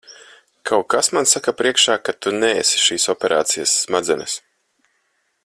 Kaut kas man saka priekšā, ka tu neesi šīs operācijas smadzenes.